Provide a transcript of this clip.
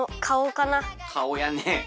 かおやね。